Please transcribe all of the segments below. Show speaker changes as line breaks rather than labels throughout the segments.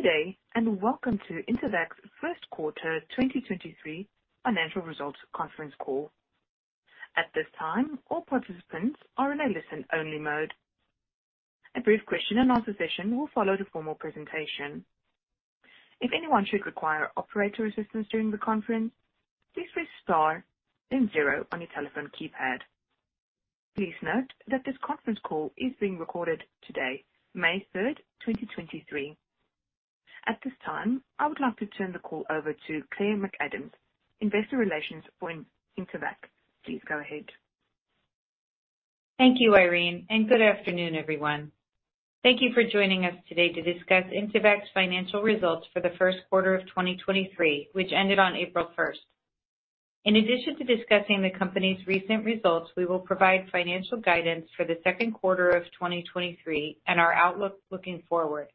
Good day, welcome to Intevac's 1st quarter 2023 financial results conference call. At this time, all participants are in a listen-only mode. A brief question and answer session will follow the formal presentation. If anyone should require operator assistance during the conference, please press star then 0 on your telephone keypad. Please note that this conference call is being recorded today, May 3rd, 2023. At this time, I would like to turn the call over to Claire McAdams, investor relations for Intevac. Please go ahead.
Thank you, Irene. Good afternoon, everyone. Thank you for joining us today to discuss Intevac's financial results for the first quarter of 2023, which ended on April 1. In addition to discussing the company's recent results, we will provide financial guidance for the second quarter of 2023 and our outlook looking forward.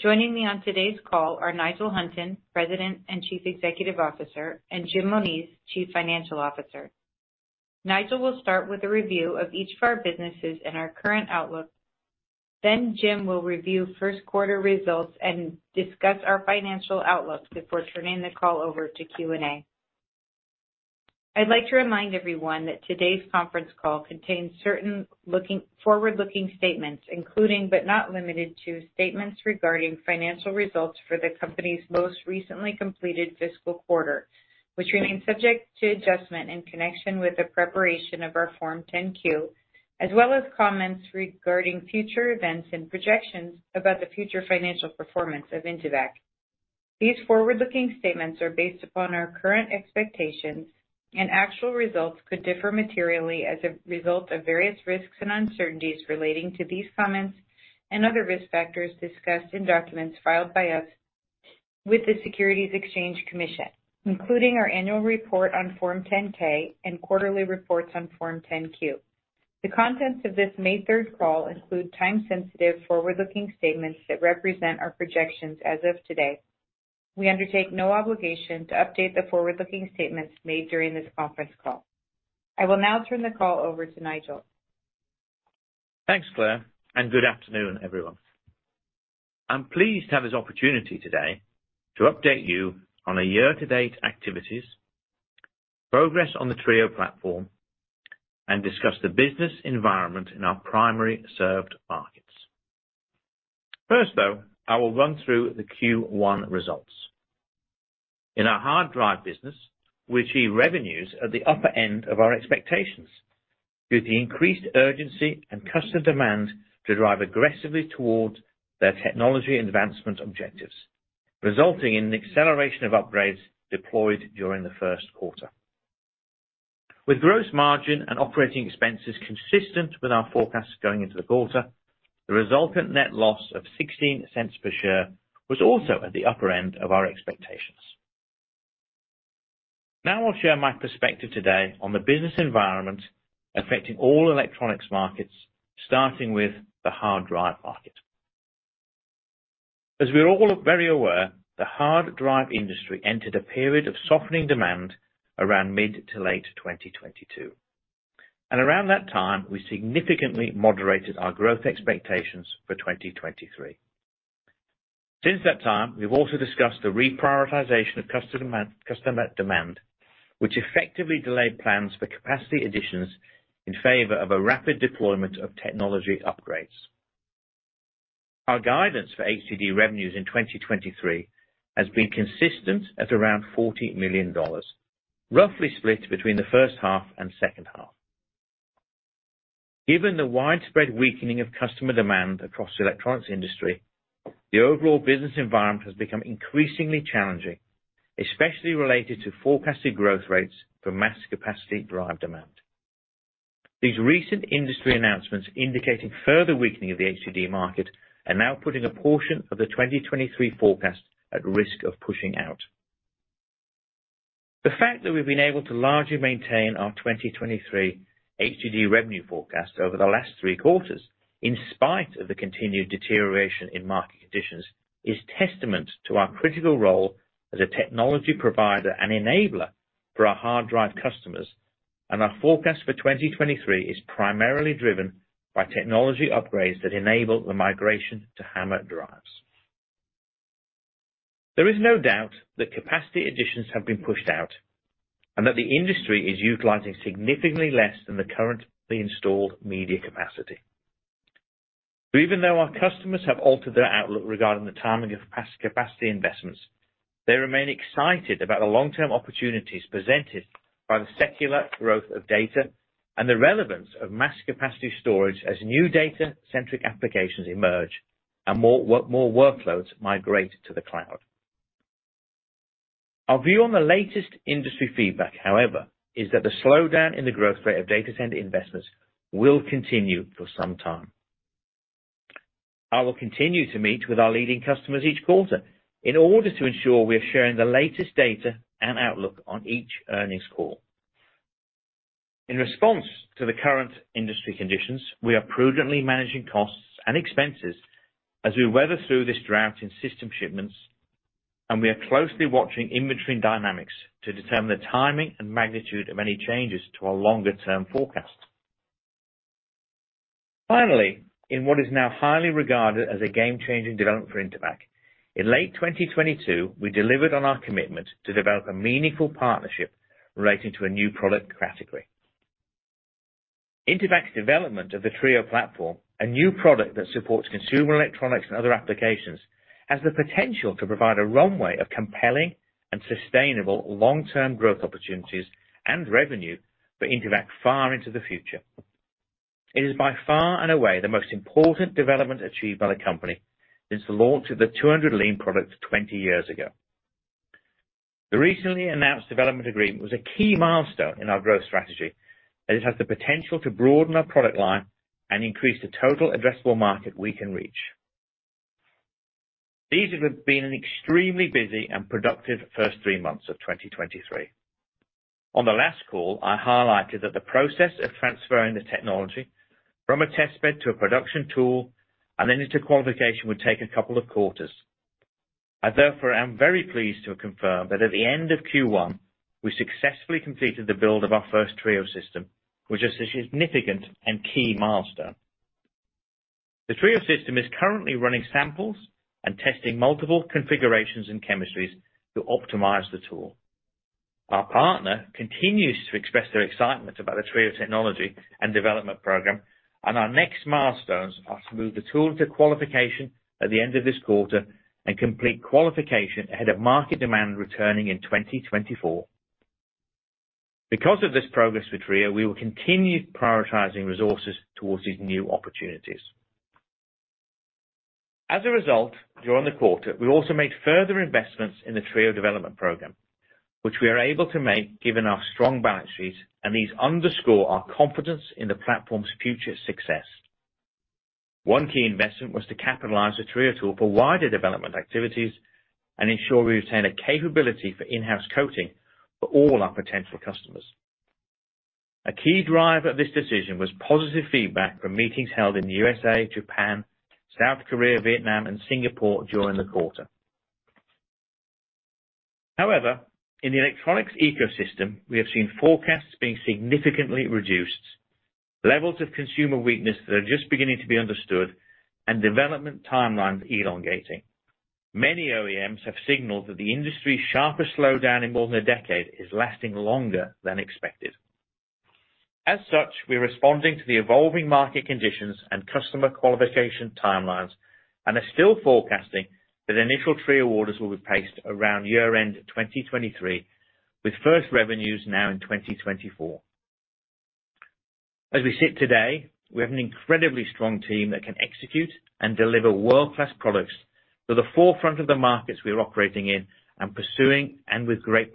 Joining me on today's call are Nigel Hunton, President and Chief Executive Officer, and Jim Moniz, Chief Financial Officer. Nigel will start with a review of each of our businesses and our current outlook. Jim will review first quarter results and discuss our financial outlook before turning the call over to Q&A. I'd like to remind everyone that today's conference call contains certain forward-looking statements, including, but not limited to, statements regarding financial results for the company's most recently completed fiscal quarter, which remains subject to adjustment in connection with the preparation of our Form 10-Q, as well as comments regarding future events and projections about the future financial performance of Intevac. These forward-looking statements are based upon our current expectations, and actual results could differ materially as a result of various risks and uncertainties relating to these comments and other risk factors discussed in documents filed by us with the Securities and Exchange Commission, including our annual report on Form 10-K and quarterly reports on Form 10-Q. The contents of this May third call include time-sensitive forward-looking statements that represent our projections as of today. We undertake no obligation to update the forward-looking statements made during this conference call. I will now turn the call over to Nigel.
Thanks, Claire. Good afternoon, everyone. I'm pleased to have this opportunity today to update you on our year-to-date activities, progress on the TRIO platform, and discuss the business environment in our primary served markets. First, though, I will run through the Q1 results. In our hard drive business, we achieved revenues at the upper end of our expectations due to the increased urgency and customer demand to drive aggressively towards their technology advancement objectives, resulting in an acceleration of upgrades deployed during the first quarter. With gross margin and operating expenses consistent with our forecast going into the quarter, the resultant net loss of $0.16 per share was also at the upper end of our expectations. I'll share my perspective today on the business environment affecting all electronics markets, starting with the hard drive market. As we're all very aware, the hard drive industry entered a period of softening demand around mid to late 2022. Around that time, we significantly moderated our growth expectations for 2023. Since that time, we've also discussed the reprioritization of customer demand, which effectively delayed plans for capacity additions in favor of a rapid deployment of technology upgrades. Our guidance for HDD revenues in 2023 has been consistent at around $40 million, roughly split between the first half and second half. Given the widespread weakening of customer demand across the electronics industry, the overall business environment has become increasingly challenging, especially related to forecasted growth rates for mass capacity drive demand. These recent industry announcements indicating further weakening of the HDD market are now putting a portion of the 2023 forecast at risk of pushing out. The fact that we've been able to largely maintain our 2023 HDD revenue forecast over the last three quarters, in spite of the continued deterioration in market conditions, is testament to our critical role as a technology provider and enabler for our hard drive customers. Our forecast for 2023 is primarily driven by technology upgrades that enable the migration to HAMR drives. There is no doubt that capacity additions have been pushed out and that the industry is utilizing significantly less than the currently installed media capacity. Even though our customers have altered their outlook regarding the timing of capacity investments, they remain excited about the long-term opportunities presented by the secular growth of data and the relevance of mass capacity storage as new data-centric applications emerge and more workloads migrate to the cloud. Our view on the latest industry feedback, however, is that the slowdown in the growth rate of data center investments will continue for some time. I will continue to meet with our leading customers each quarter in order to ensure we are sharing the latest data and outlook on each earnings call. In response to the current industry conditions, we are prudently managing costs and expenses as we weather through this drought in system shipments, and we are closely watching inventory dynamics to determine the timing and magnitude of any changes to our longer-term forecast. Finally, in what is now highly regarded as a game-changing development for Intevac, in late 2022, we delivered on our commitment to develop a meaningful partnership relating to a new product category. Intevac's development of the TRIO platform, a new product that supports consumer electronics and other applications, has the potential to provide a runway of compelling and sustainable long-term growth opportunities and revenue for Intevac far into the future. It is by far and away the most important development achieved by the company since the launch of the 200 Lean products 20 years ago. The recently announced development agreement was a key milestone in our growth strategy, as it has the potential to broaden our product line and increase the total addressable market we can reach. These have been extremely busy and productive first three months of 2023. On the last call, I highlighted that the process of transferring the technology from a test bed to a production tool and then into qualification would take a couple of quarters. I therefore am very pleased to confirm that at the end of Q1, we successfully completed the build of our first TRIO system, which is a significant and key milestone. The TRIO system is currently running samples and testing multiple configurations and chemistries to optimize the tool. Our partner continues to express their excitement about the TRIO technology and development program. Our next milestones are to move the tool to qualification at the end of this quarter and complete qualification ahead of market demand returning in 2024. Because of this progress with TRIO, we will continue prioritizing resources towards these new opportunities. As a result, during the quarter, we also made further investments in the TRIO development program, which we are able to make given our strong balance sheet. These underscore our confidence in the platform's future success. One key investment was to capitalize the TRIO tool for wider development activities and ensure we retain a capability for in-house coating for all our potential customers. A key driver of this decision was positive feedback from meetings held in U.S.A., Japan, South Korea, Vietnam, and Singapore during the quarter. However, in the electronics ecosystem, we have seen forecasts being significantly reduced, levels of consumer weakness that are just beginning to be understood, and development timelines elongating. Many OEMs have signaled that the industry's sharpest slowdown in more than a decade is lasting longer than expected. As such, we're responding to the evolving market conditions and customer qualification timelines and are still forecasting that initial TRIO orders will be placed around year-end 2023, with first revenues now in 2024. As we sit today, we have an incredibly strong team that can execute and deliver world-class products to the forefront of the markets we are operating in and pursuing and with great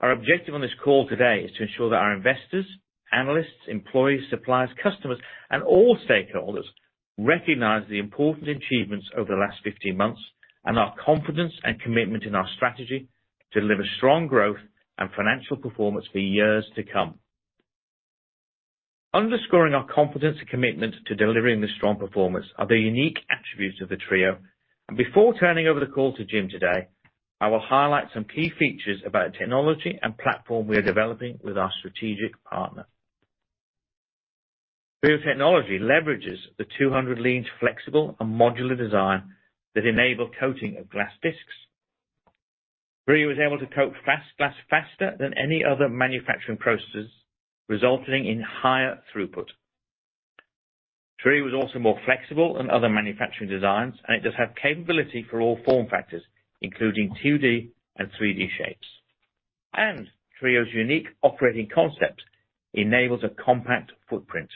partners. Our objective on this call today is to ensure that our investors, analysts, employees, suppliers, customers, and all stakeholders recognize the important achievements over the last 15 months and our confidence and commitment in our strategy to deliver strong growth and financial performance for years to come. Underscoring our confidence and commitment to delivering this strong performance are the unique attributes of the TRIO. Before turning over the call to Jim today, I will highlight some key features about technology and platform we are developing with our strategic partner. TRIO technology leverages the 200 Lean's flexible and modular design that enable coating of glass discs. TRIO is able to coat fast-glass faster than any other manufacturing processes, resulting in higher throughput. TRIO is also more flexible than other manufacturing designs, and it does have capability for all form factors, including 2D and 3D shapes. TRIO's unique operating concepts enables a compact footprint.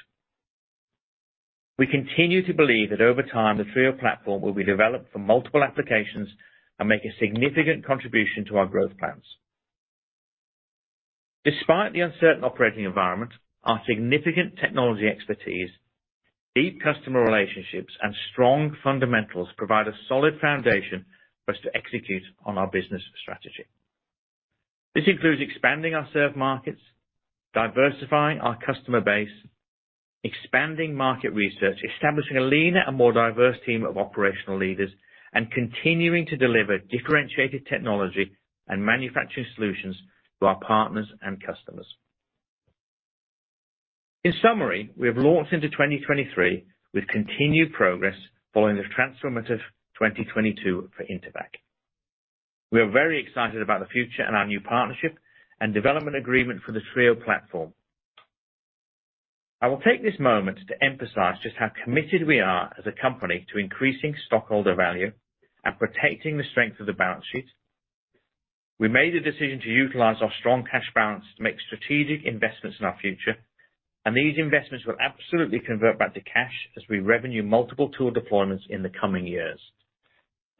We continue to believe that over time, the TRIO platform will be developed for multiple applications and make a significant contribution to our growth plans. Despite the uncertain operating environment, our significant technology expertise, deep customer relationships, and strong fundamentals provide a solid foundation for us to execute on our business strategy. This includes expanding our served markets, diversifying our customer base, expanding market research, establishing a leaner and more diverse team of operational leaders, and continuing to deliver differentiated technology and manufacturing solutions to our partners and customers. In summary, we have launched into 2023 with continued progress following the transformative 2022 for Intevac. We are very excited about the future and our new partnership and development agreement for the TRIO platform. I will take this moment to emphasize just how committed we are as a company to increasing stockholder value and protecting the strength of the balance sheet. We made a decision to utilize our strong cash balance to make strategic investments in our future, and these investments will absolutely convert back to cash as we revenue multiple tool deployments in the coming years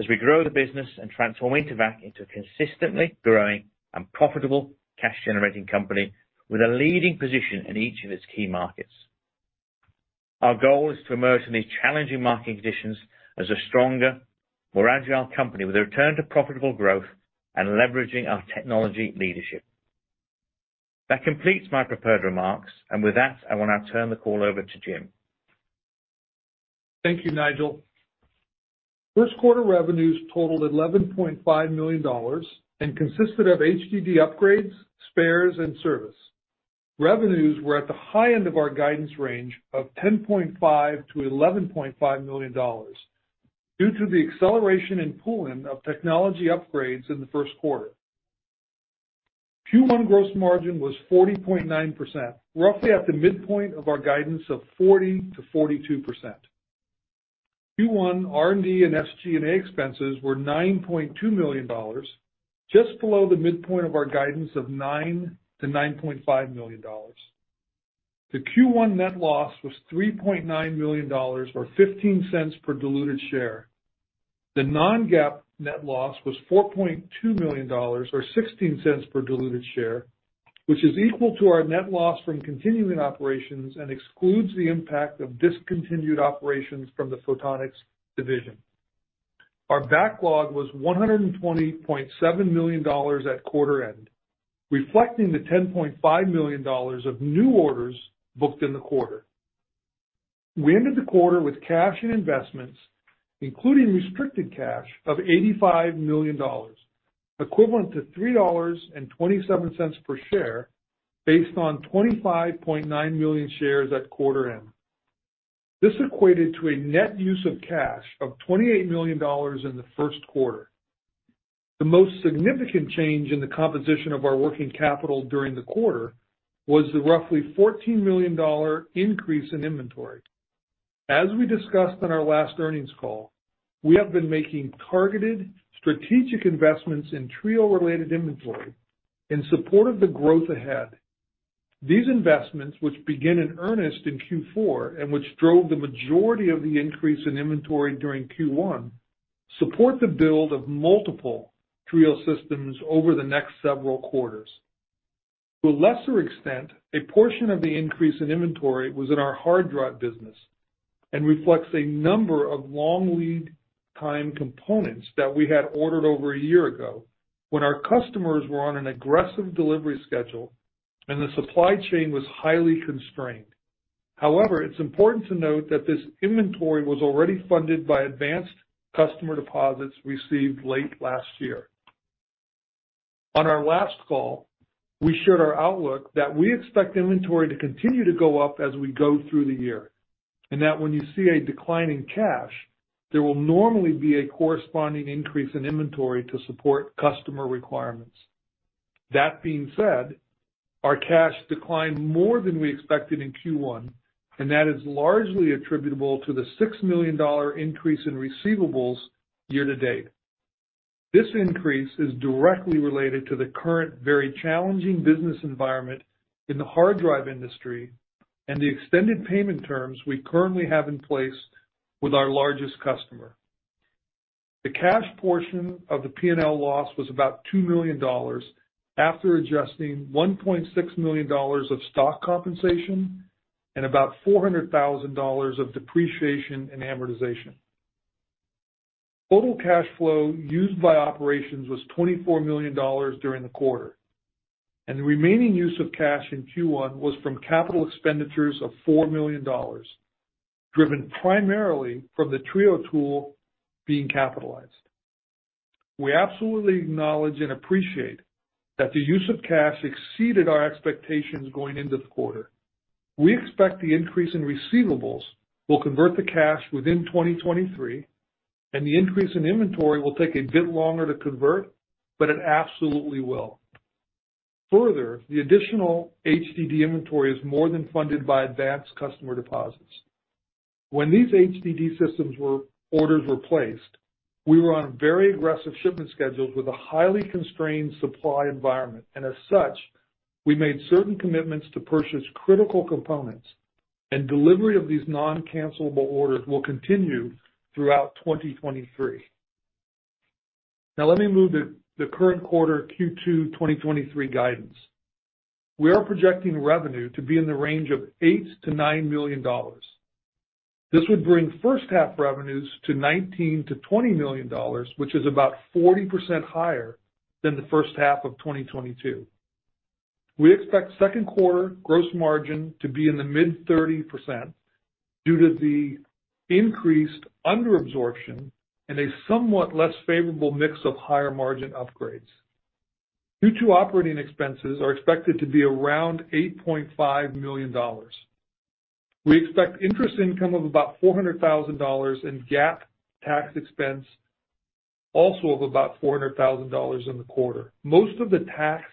as we grow the business and transform Intevac into a consistently growing and profitable cash-generating company with a leading position in each of its key markets. Our goal is to emerge in these challenging market conditions as a stronger, more agile company with a return to profitable growth and leveraging our technology leadership. That completes my prepared remarks, and with that, I want to turn the call over to Jim.
Thank you, Nigel. First quarter revenues totaled $11.5 million and consisted of HDD upgrades, spares and service. Revenues were at the high end of our guidance range of $10.5 million-$11.5 million due to the acceleration in pull-in of technology upgrades in the first quarter. Q1 gross margin was 40.9%, roughly at the midpoint of our guidance of 40%-42%. Q1 R&D and SG&A expenses were $9.2 million, just below the midpoint of our guidance of $9 million-$9.5 million. The Q1 net loss was $3.9 million or $0.15 per diluted share. The non-GAAP net loss was $4.2 million, or $0.16 per diluted share, which is equal to our net loss from continuing operations and excludes the impact of discontinued operations from the Photonics division. Our backlog was $120.7 million at quarter end, reflecting the $10.5 million of new orders booked in the quarter. We ended the quarter with cash and investments, including restricted cash, of $85 million, equivalent to $3.27 per share based on 25.9 million shares at quarter end. This equated to a net use of cash of $28 million in the first quarter. The most significant change in the composition of our working capital during the quarter was the roughly $14 million increase in inventory. As we discussed on our last earnings call, we have been making targeted strategic investments in TRIO-related inventory in support of the growth ahead. These investments, which begin in earnest in Q4 and which drove the majority of the increase in inventory during Q1, support the build of multiple TRIO systems over the next several quarters. To a lesser extent, a portion of the increase in inventory was in our HDD business and reflects a number of long lead time components that we had ordered over a year ago when our customers were on an aggressive delivery schedule and the supply chain was highly constrained. It's important to note that this inventory was already funded by advanced customer deposits received late last year. On our last call, we shared our outlook that we expect inventory to continue to go up as we go through the year, and that when you see a decline in cash, there will normally be a corresponding increase in inventory to support customer requirements. That being said, our cash declined more than we expected in Q1, and that is largely attributable to the $6 million increase in receivables year to date. This increase is directly related to the current, very challenging business environment in the hard drive industry and the extended payment terms we currently have in place with our largest customer. The cash portion of the P&L loss was about $2 million after adjusting $1.6 million of stock compensation and about $400,000 of depreciation and amortization. Total cash flow used by operations was $24 million during the quarter. The remaining use of cash in Q1 was from capital expenditures of $4 million, driven primarily from the TRIO tool being capitalized. We absolutely acknowledge and appreciate that the use of cash exceeded our expectations going into the quarter. We expect the increase in receivables will convert to cash within 2023. The increase in inventory will take a bit longer to convert, it absolutely will. Further, the additional HDD inventory is more than funded by advanced customer deposits. When these HDD systems orders were placed, we were on very aggressive shipment schedules with a highly constrained supply environment. As such, we made certain commitments to purchase critical components. Delivery of these non-cancelable orders will continue throughout 2023. Let me move to the current quarter Q2 2023 guidance. We are projecting revenue to be in the range of $8 million-$9 million. This would bring first half revenues to $19 million-$20 million, which is about 40% higher than the first half of 2022. We expect second quarter gross margin to be in the mid-30% due to the increased under absorption and a somewhat less favorable mix of higher margin upgrades. Q2 operating expenses are expected to be around $8.5 million. We expect interest income of about $400,000 and GAAP tax expense also of about $400,000 in the quarter. Most of the tax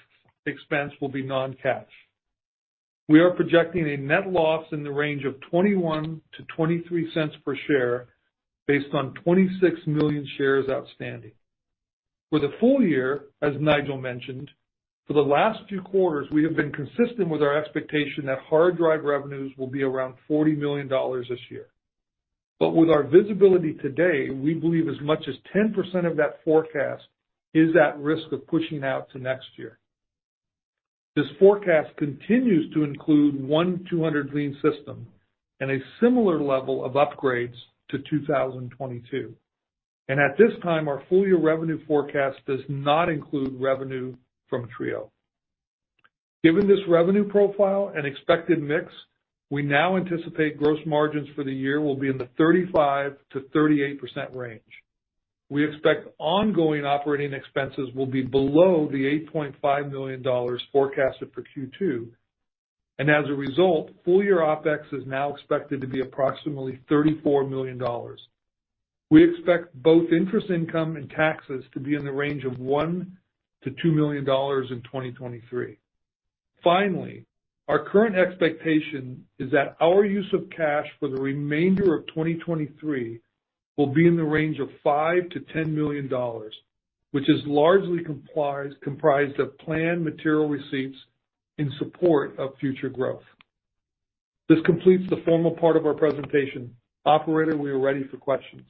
expense will be non-cash. We are projecting a net loss in the range of $0.21-$0.23 per share based on 26 million shares outstanding. For the full year, as Nigel mentioned, for the last few quarters, we have been consistent with our expectation that hard drive revenues will be around $40 million this year. With our visibility today, we believe as much as 10% of that forecast is at risk of pushing out to next year. This forecast continues to include 1 200 Lean system and a similar level of upgrades to 2022, and at this time, our full year revenue forecast does not include revenue from TRIO. Given this revenue profile and expected mix, we now anticipate gross margins for the year will be in the 35%-38% range. We expect ongoing operating expenses will be below the $8.5 million forecasted for Q2. As a result, full year OPEX is now expected to be approximately $34 million. We expect both interest income and taxes to be in the range of $1 million-$2 million in 2023. Our current expectation is that our use of cash for the remainder of 2023 will be in the range of $5 million-$10 million, which is largely comprised of planned material receipts in support of future growth. This completes the formal part of our presentation. Operator, we are ready for questions.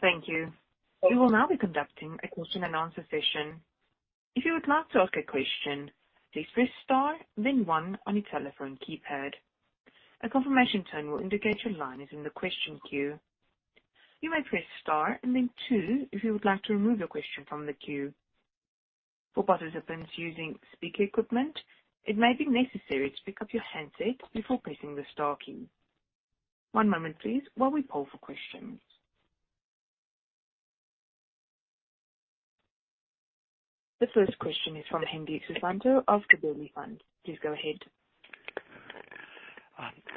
Thank you. We will now be conducting a question and answer session. If you would like to ask a question, please press Star, then one on your telephone keypad. A confirmation tone will indicate your line is in the question queue. You may press Star and then two if you would like to remove your question from the queue. For participants using speaker equipment, it may be necessary to pick up your handset before pressing the star key. One moment please while we poll for questions. The first question is from Hendi Susanto of Gabelli Funds. Please go ahead.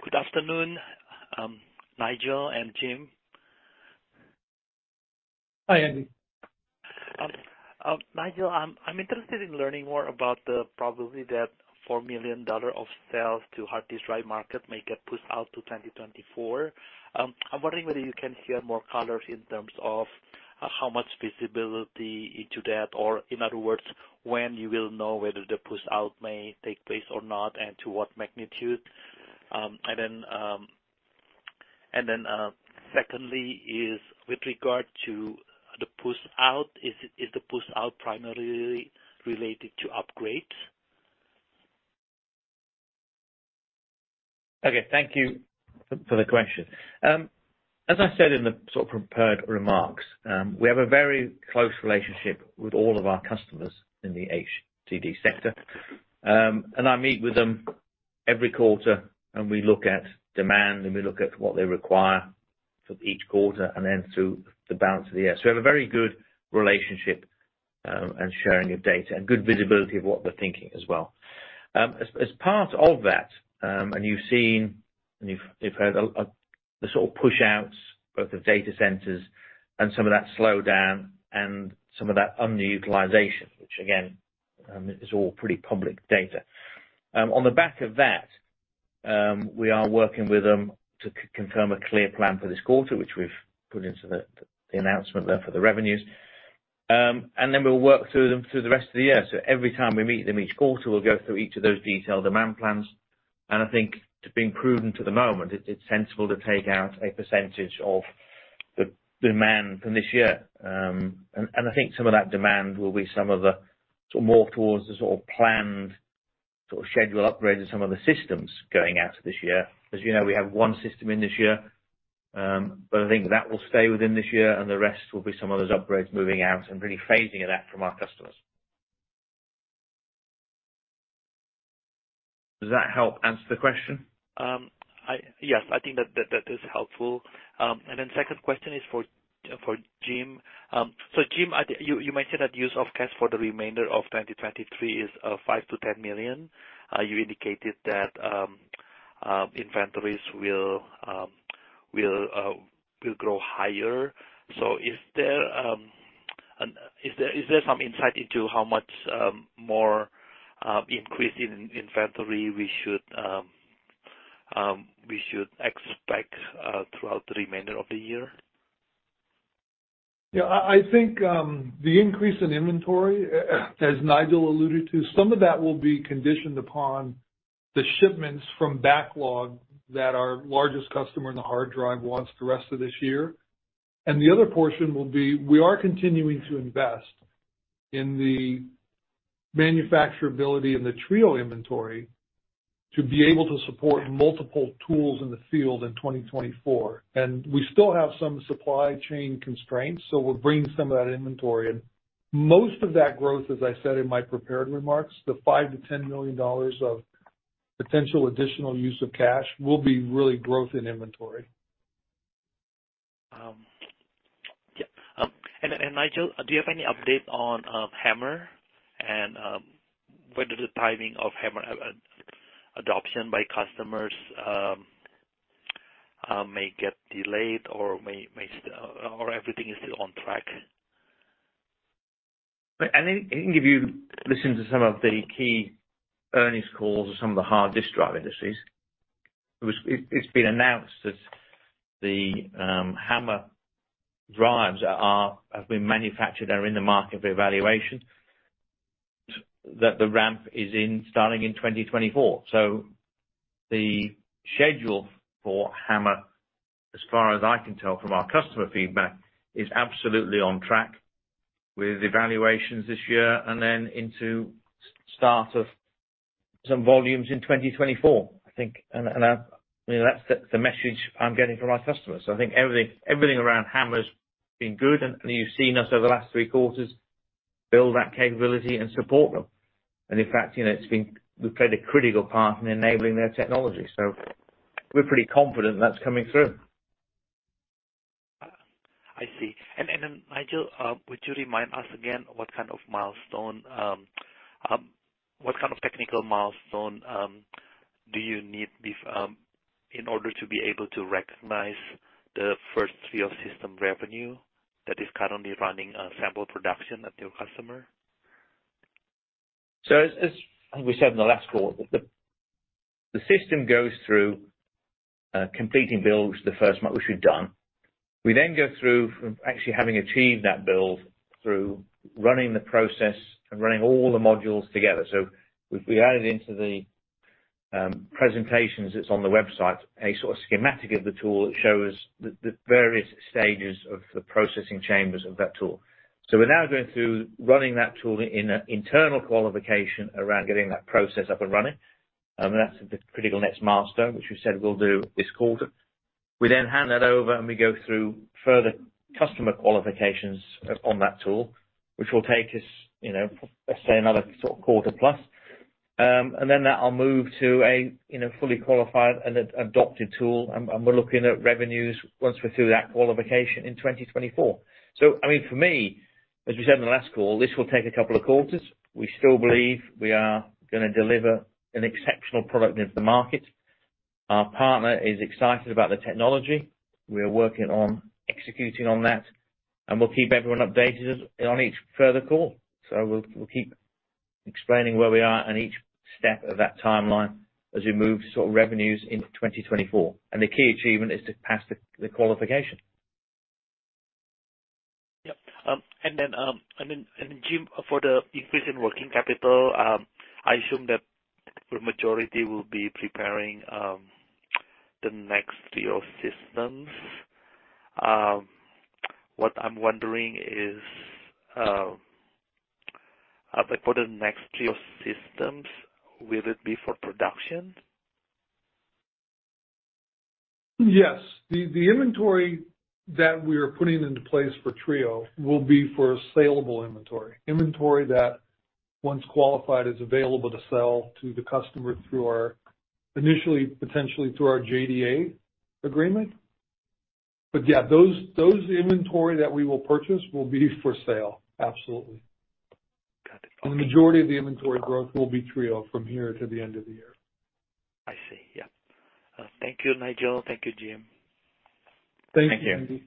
Good afternoon, Nigel and Jim.
Hi, Hendi.
Nigel, I'm interested in learning more about the probability that $4 million of sales to hard disk drive market may get pushed out to 2024. I'm wondering whether you can share more color in terms of how much visibility into that or in other words, when you will know whether the push-out may take place or not, and to what magnitude. Secondly is with regard to the push-out. Is the push-out primarily related to upgrades?
Okay. Thank you for the question. As I said in the sort of prepared remarks, we have a very close relationship with all of our customers in the HDD sector. And I meet with them every quarter, and we look at demand, and we look at what they require for each quarter, and then through the balance of the year. We have a very good relationship, and sharing of data and good visibility of what they're thinking as well. As, as part of that, you've seen and you've heard a sort of push-outs both of data centers and some of that slowdown and some of that underutilization, which again, is all pretty public data. On the back of that, we are working with them to confirm a clear plan for this quarter, which we've put into the announcement there for the revenues. We'll work through them through the rest of the year. Every time we meet them each quarter, we'll go through each of those detailed demand plans. I think to being prudent to the moment, it's sensible to take out a percentage of the demand from this year. I think some of that demand will be some of the sort of more towards the sort of planned sort of scheduled upgrades of some of the systems going out this year. As you know, we have one system in this year. I think that will stay within this year, and the rest will be some of those upgrades moving out and really phasing it out from our customers. Does that help answer the question?
Yes, I think that is helpful. Second question is for Jim. Jim, you mentioned that use of cash for the remainder of 2023 is $5 million-$10 million. You indicated that inventories will grow higher. Is there some insight into how much more increase in inventory we should expect throughout the remainder of the year?
Yeah. I think, the increase in inventory, as Nigel alluded to, some of that will be conditioned upon the shipments from backlog that our largest customer in the hard drive wants the rest of this year. The other portion will be, we are continuing to invest in the manufacturability and the TRIO inventory to be able to support multiple tools in the field in 2024. We still have some supply chain constraints, so we're bringing some of that inventory in. Most of that growth, as I said in my prepared remarks, the $5 million-$10 million of potential additional use of cash will be really growth in inventory.
Yeah. Nigel, do you have any update on HAMR and whether the timing of HAMR adoption by customers may get delayed or may still... or everything is still on track?
If you listen to some of the key earnings calls of some of the HDD industries, it's been announced that the HAMR drives are have been manufactured are in the market for evaluation. The ramp is in starting in 2024. The schedule for HAMR, as far as I can tell from our customer feedback, is absolutely on track with evaluations this year and then into start of some volumes in 2024, I think. I, you know, that's the message I'm getting from our customers. I think everything around HAMR has been good, you've seen us over the last three quarters build that capability and support them. In fact, you know, we've played a critical part in enabling their technology. We're pretty confident that's coming through.
I see. Nigel, would you remind us again what kind of milestone, what kind of technical milestone, in order to be able to recognize the first TRIO system revenue that is currently running a sample production at your customer?
As we said in the last call, the system goes through completing build, which is the first mile, which we've done. We then go through from actually having achieved that build through running the process and running all the modules together. We added into the presentations that's on the website, a sort of schematic of the tool that shows the various stages of the processing chambers of that tool. We're now going through running that tool in an internal qualification around getting that process up and running. That's the critical next milestone, which we said we'll do this quarter. We then hand that over, we go through further customer qualifications on that tool, which will take us, you know, let's say another sort of quarter plus. That'll move to a, you know, fully qualified and adopted tool and we're looking at revenues once we're through that qualification in 2024. I mean, for me, as we said in the last call, this will take a couple of quarters. We still believe we are gonna deliver an exceptional product into the market. Our partner is excited about the technology. We are working on executing on that, and we'll keep everyone updated as... on each further call. We'll keep explaining where we are on each step of that timeline as we move to sort of revenues into 2024. The key achievement is to pass the qualification.
Yep. Jim, for the increase in working capital, I assume that the majority will be preparing, the next TRIO systems. What I'm wondering is, for the next TRIO systems, will it be for production?
Yes. The inventory that we are putting into place for TRIO will be for saleable inventory. Inventory that once qualified, is available to sell to the customer through our initially, potentially through our JDA agreement. Yeah, those inventory that we will purchase will be for sale, absolutely.
Got it. Okay.
The majority of the inventory growth will be TRIO from here to the end of the year.
I see. Yeah. Thank you, Nigel. Thank you, Jim.
Thank you, Hendi.
Thank you.
The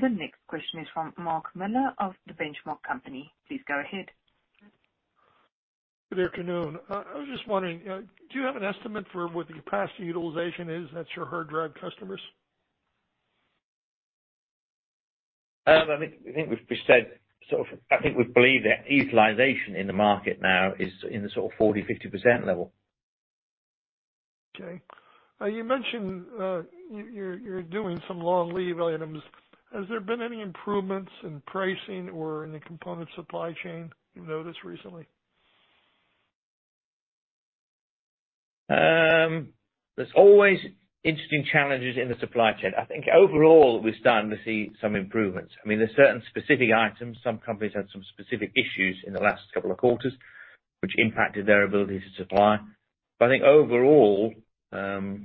next question is from Mark Miller of The Benchmark Company. Please go ahead.
Good afternoon. I was just wondering, do you have an estimate for what the capacity utilization is at your hard drive customers?
I think we believe that utilization in the market now is in the sort of 40%, 50% level.
Okay. you mentioned, you're doing some long lead items. Has there been any improvements in pricing or in the component supply chain you've noticed recently?
There's always interesting challenges in the supply chain. I think overall we're starting to see some improvements. I mean, there's certain specific items. Some companies had some specific issues in the last couple of quarters, which impacted their ability to supply. I think overall,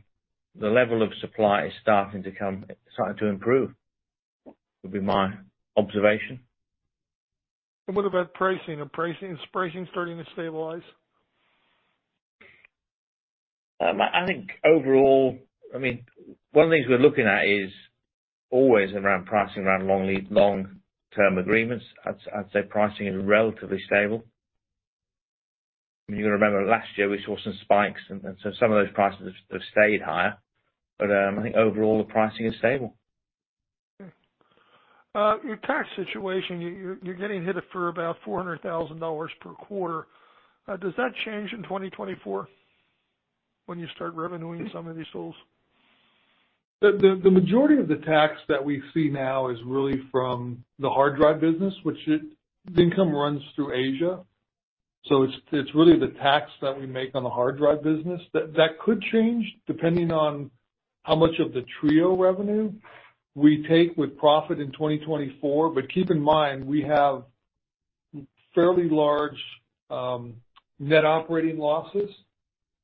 the level of supply is starting to come, starting to improve, would be my observation.
What about pricing? Is pricing starting to stabilize?
I think overall, I mean, one of the things we're looking at is always around pricing, around long lead, long-term agreements. I'd say pricing is relatively stable. You gotta remember last year we saw some spikes and so some of those prices have stayed higher. I think overall the pricing is stable.
Okay. Your tax situation, you're getting hit for about $400,000 per quarter. Does that change in 2024 when you start revenuing some of these tools?
The majority of the tax that we see now is really from the hard drive business, which the income runs through Asia. It's really the tax that we make on the hard drive business. That could change depending on how much of the TRIO revenue we take with profit in 2024. Keep in mind, we have fairly large net operating losses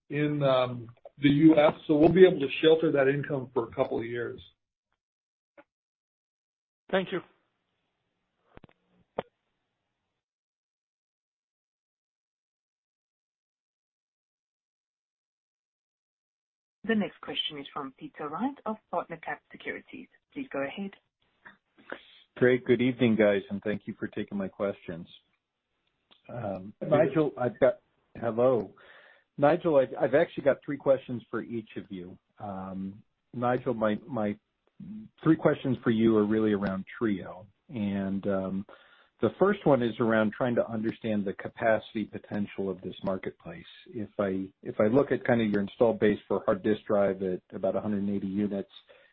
in the U.S., so we'll be able to shelter that income for a couple of years.
Thank you.
The next question is from Peter Wright of PartnerCap Securities. Please go ahead.
Great. Good evening, guys, and thank you for taking my questions.
Yes.
Nigel, I've got. Hello. Nigel, I've actually got three questions for each of you. Nigel, my three questions for you are really around TRIO, and the first one is around trying to understand the capacity potential of this marketplace. If I look at kinda your install base for hard disk drive at about 180 units.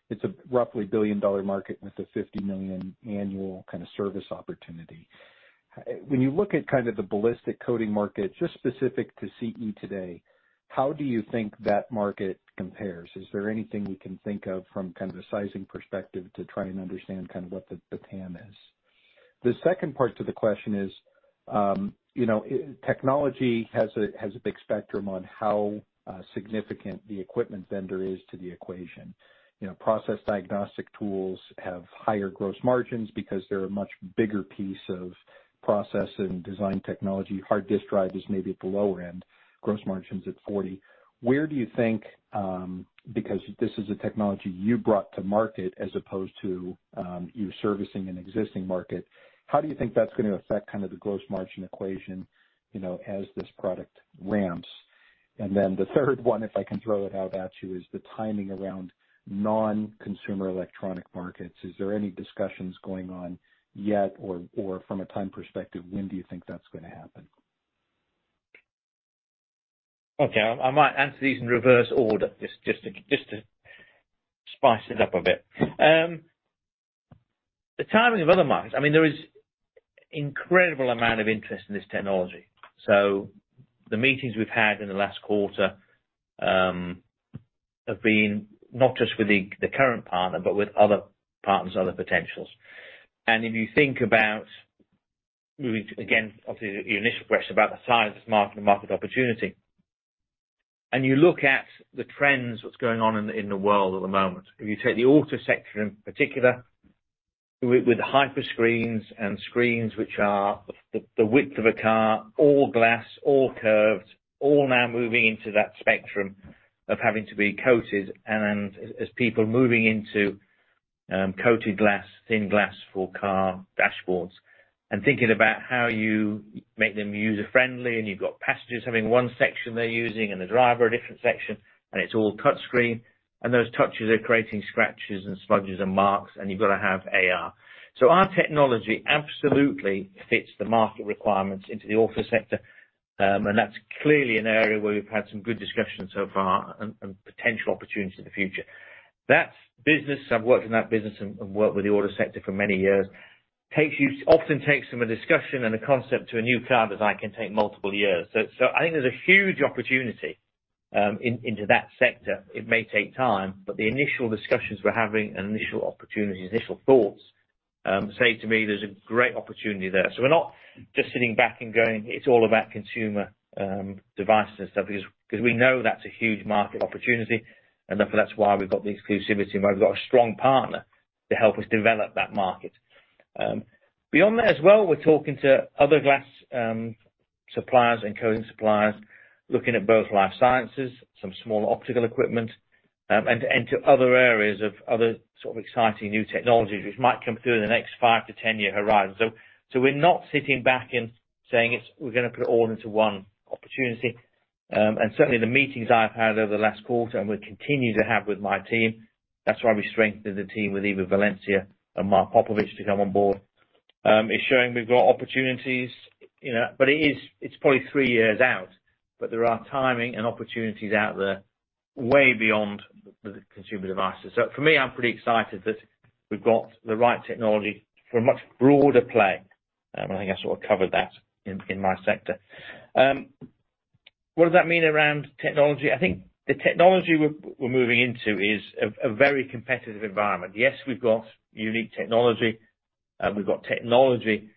It's a roughly billion-dollar market with a $50 million annual kind of service opportunity. When you look at kind of the ballistic coating market, just specific to CE today, how do you think that market compares? Is there anything we can think of from kind of a sizing perspective to try and understand kind of what the TAM is? The second part to the question is, you know, technology has a, has a big spectrum on how significant the equipment vendor is to the equation. You know, process diagnostic tools have higher gross margins because they're a much bigger piece of process and design technology. Hard disk drive is maybe at the lower end, gross margins at 40%. Where do you think, because this is a technology you brought to market as opposed to, you servicing an existing market, how do you think that's gonna affect kind of the gross margin equation, you know, as this product ramps? The third one, if I can throw it out at you, is the timing around non-consumer electronic markets. Is there any discussions going on yet? Or, or from a time perspective, when do you think that's gonna happen?
Okay. I might answer these in reverse order, just to spice it up a bit. The timing of other markets. I mean, there is incredible amount of interest in this technology. The meetings we've had in the last quarter have been not just with the current partner, but with other partners, other potentials. If you think about moving to, again, obviously, your initial question about the size of this market and market opportunity. You look at the trends, what's going on in the world at the moment. If you take the auto sector in particular, with hyperscreens and screens which are the width of a car, all glass, all curved, all now moving into that spectrum of having to be coated. As people moving into coated glass, thin glass for car dashboards, and thinking about how you make them user-friendly. You've got passengers having one section they're using and the driver a different section, and it's all touch screen. Those touches are creating scratches and smudges and marks, and you've got to have AR. Our technology absolutely fits the market requirements into the auto sector, and that's clearly an area where we've had some good discussions so far and potential opportunities in the future. That business, I've worked in that business and worked with the auto sector for many years. Often takes from a discussion and a concept to a new car design can take multiple years. I think there's a huge opportunity into that sector. It may take time, but the initial discussions we're having and initial opportunities, initial thoughts, say to me there's a great opportunity there. We're not just sitting back and going, "It's all about consumer devices and stuff," because we know that's a huge market opportunity. Therefore, that's why we've got the exclusivity and why we've got a strong partner to help us develop that market. Beyond there as well, we're talking to other glass suppliers and coating suppliers, looking at both life sciences, some small optical equipment, and to other areas of other sort of exciting new technologies which might come through in the next 5-10-year horizon. We're not sitting back and saying we're gonna put it all into one opportunity. Certainly, the meetings I've had over the last quarter and will continue to have with my team, that's why we strengthened the team with Eva Valencia and Mark Popovich to come on board. It's showing we've got opportunities, you know. It is, it's probably three years out, but there are timing and opportunities out there way beyond the consumer devices. For me, I'm pretty excited that we've got the right technology for a much broader play. I think I sort of covered that in my sector. What does that mean around technology? I think the technology we're moving into is a very competitive environment. Yes, we've got unique technology. We've got technology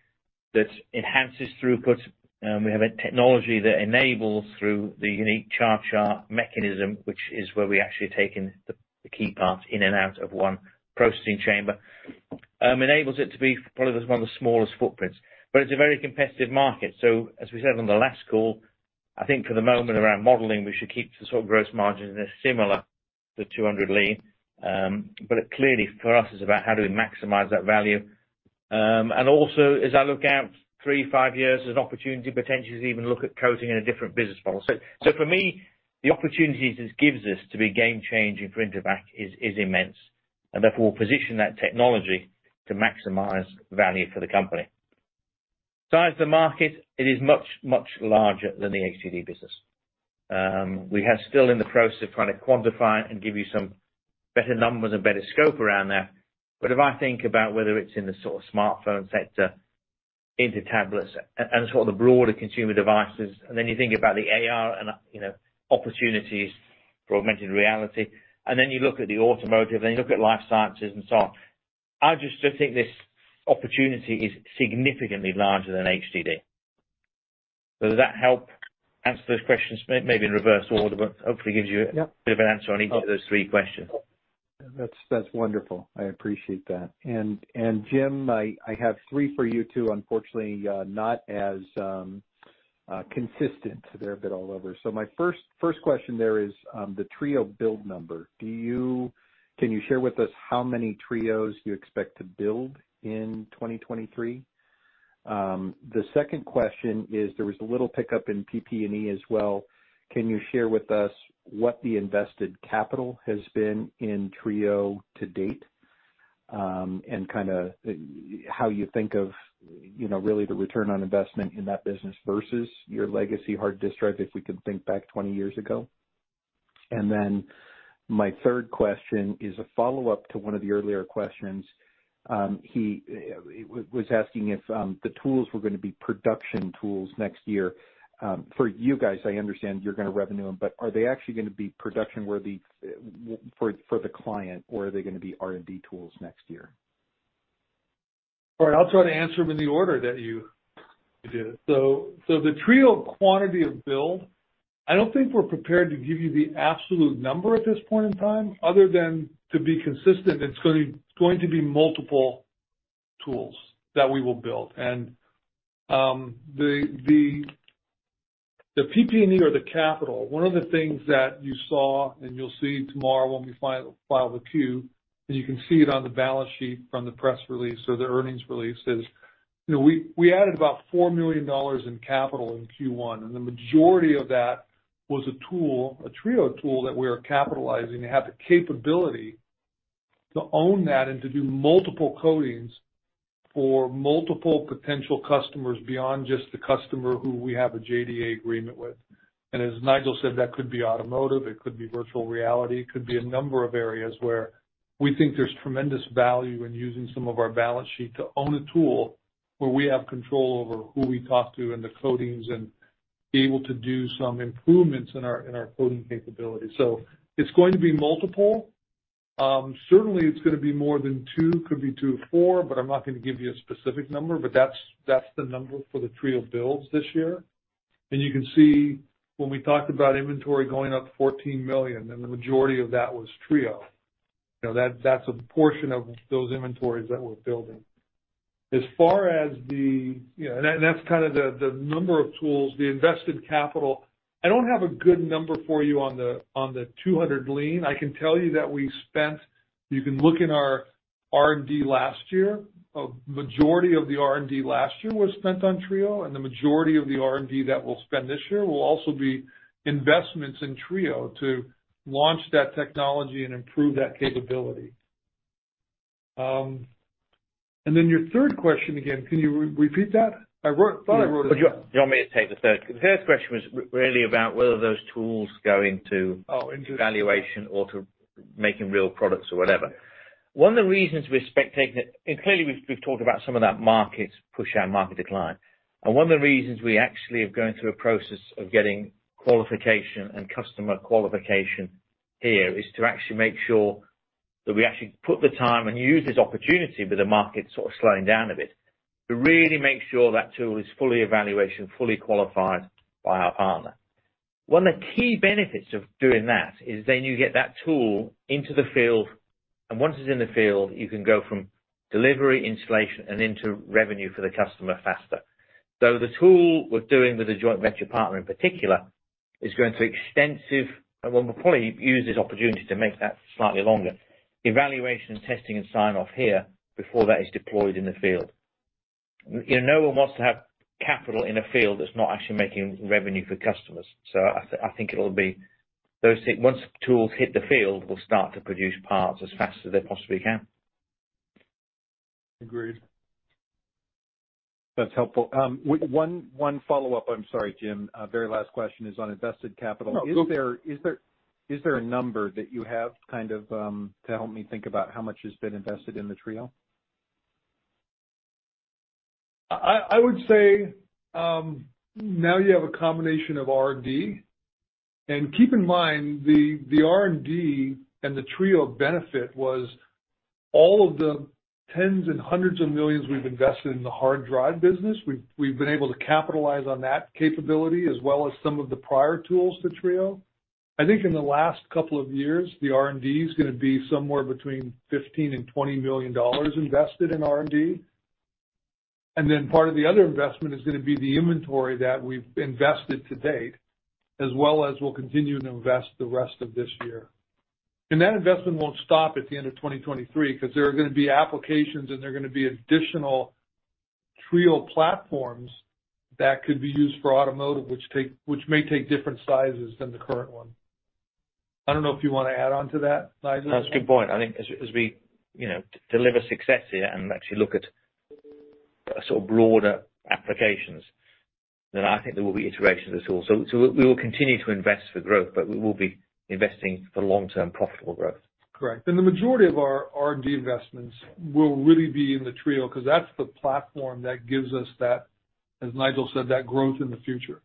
that enhances throughput. We have a technology that enables through the unique charge-art mechanism, which is where we actually take in the key parts in and out of one processing chamber. Enables it to be probably one of the smallest footprints. It's a very competitive market. As we said on the last call, I think for the moment around modeling, we should keep the sort of gross margins as similar to 200 Lean. It clearly for us is about how do we maximize that value. Also as I look out 3-5 years, there's an opportunity potentially to even look at coating in a different business model. For me, the opportunities this gives us to be game-changing for Intevac is immense. Therefore, we'll position that technology to maximize value for the company. Size of the market, it is much, much larger than the HDD business. We are still in the process of trying to quantify it and give you some better numbers and better scope around there. If I think about whether it's in the sort of smartphone sector, into tablets, and sort of the broader consumer devices, and then you think about the AR and, you know, opportunities for augmented reality, and then you look at the automotive, then you look at life sciences and so on. I just think this opportunity is significantly larger than HDD. Does that help answer those questions? Maybe in reverse order, but hopefully gives you.
Yep.
-a bit of an answer on each of those three questions.
That's wonderful. I appreciate that. Jim, I have three for you, too. Unfortunately, not as consistent. They're a bit all over. My first question there is the TRIO™ build number. Can you share with us how many TRIOs you expect to build in 2023? The second question is there was a little pickup in PP&E as well. Can you share with us what the invested capital has been in TRIO™ to date? Kinda, how you think of, you know, really the return on investment in that business versus your legacy hard disk drive, if we can think back 20 years ago. Then my third question is a follow-up to one of the earlier questions. He was asking if the tools were gonna be production tools next year. For you guys, I understand you're gonna revenue them, but are they actually gonna be production worthy for the client, or are they gonna be R&D tools next year?
All right. I'll try to answer them in the order that you did it. The TRIO quantity of build, I don't think we're prepared to give you the absolute number at this point in time, other than to be consistent, it's going to be multiple tools that we will build. The PP&E or the capital, one of the things that you saw, and you'll see tomorrow when we file the Q, and you can see it on the balance sheet from the press release or the earnings release, is, you know, we added about $4 million in capital in Q1, and the majority of that was a tool, a TRIO tool that we are capitalizing to have the capability to own that and to do multiple coatings for multiple potential customers beyond just the customer who we have a JDA agreement with. As Nigel said, that could be automotive, it could be virtual reality, it could be a number of areas where we think there's tremendous value in using some of our balance sheet to own a tool where we have control over who we talk to and the coatings and be able to do some improvements in our coating capabilities. It's going to be multiple. Certainly it's gonna be more than two, could be two or four. I'm not gonna give you a specific number, but that's the number for the TRIO builds this year. You can see when we talked about inventory going up $14 million, and the majority of that was TRIO. You know, that's a portion of those inventories that we're building. As far as the... You know, that's kind of the number of tools, the invested capital. I don't have a good number for you on the 200 Lean. I can tell you that we spent. You can look in our R&D last year. A majority of the R&D last year was spent on TRIO. The majority of the R&D that we'll spend this year will also be investments in TRIO to launch that technology and improve that capability. Your third question again, can you repeat that? I thought I wrote it down.
Yeah. Do you want me to take the third? The third question was really about whether those tools go into-
Oh,
-valuation or to making real products or whatever. One of the reasons we're separating it. Clearly, we've talked about some of that market push, our market decline. One of the reasons we actually are going through a process of getting qualification and customer qualification here is to actually make sure that we actually put the time and use this opportunity with the market sort of slowing down a bit, to really make sure that tool is fully evaluation, fully qualified by our partner. One of the key benefits of doing that is then you get that tool into the field, and once it's in the field, you can go from delivery, installation, and into revenue for the customer faster. The tool we're doing with a joint venture partner in particular is going through extensive, and we'll probably use this opportunity to make that slightly longer, evaluation, testing, and sign-off here before that is deployed in the field. You know, no one wants to have capital in a field that's not actually making revenue for customers. I think it'll be. Those things, once tools hit the field, we'll start to produce parts as fast as they possibly can.
Agreed.
That's helpful. One follow-up. I'm sorry, Jim. Very last question is on invested capital.
No, go for it.
Is there a number that you have kind of to help me think about how much has been invested in the TRIO?
I would say, now you have a combination of R&D. And keep in mind, the R&D and the TRIO benefit was all of the tens and hundreds of millions we've invested in the hard drive business. We've been able to capitalize on that capability as well as some of the prior tools to TRIO. I think in the last couple of years, the R&D is gonna be somewhere between $15 million and $20 million invested in R&D. And then part of the other investment is gonna be the inventory that we've invested to date, as well as we'll continue to invest the rest of this year. That investment won't stop at the end of 2023, 'cause there are gonna be applications and they're gonna be additional TRIO platforms that could be used for automotive, which may take different sizes than the current one. I don't know if you wanna add on to that, Nigel?
No, that's a good point. I think as we, you know, deliver success here and actually look at sort of broader applications, I think there will be iterations of the tool. We will continue to invest for growth, but we will be investing for long-term profitable growth.
Correct. The majority of our R&D investments will really be in the TRIO 'cause that's the platform that gives us that, as Nigel said, that growth in the future.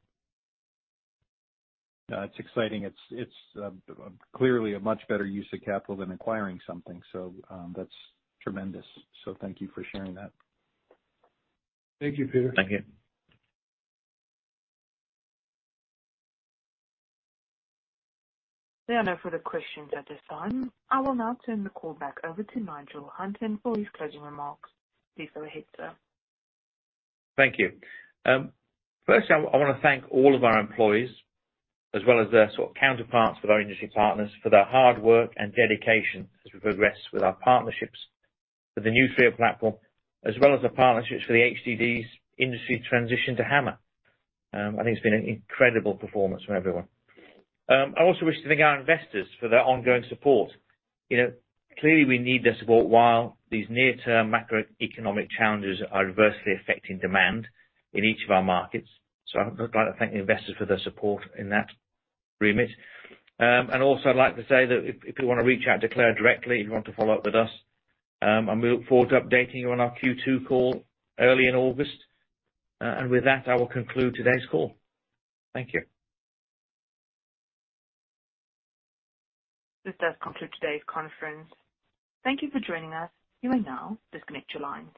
That's exciting. It's clearly a much better use of capital than acquiring something. That's tremendous. Thank you for sharing that.
Thank you, Peter.
Thank you.
There are no further questions at this time. I will now turn the call back over to Nigel Hunton for his closing remarks. Please go ahead, sir.
Thank you. Firstly, I wanna thank all of our employees as well as their sort of counterparts with our industry partners for their hard work and dedication as we progress with our partnerships for the new TRIO™ platform, as well as the partnerships for the HDD's industry transition to HAMR. I think it's been an incredible performance from everyone. I also wish to thank our investors for their ongoing support. You know, clearly we need their support while these near-term macroeconomic challenges are adversely affecting demand in each of our markets. I'd like to thank the investors for their support in that remit. Also I'd like to say that if you wanna reach out to Claire directly, you want to follow up with us, and we look forward to updating you on our Q2 call early in August. With that, I will conclude today's call. Thank you.
This does conclude today's conference. Thank you for joining us. You may now disconnect your lines.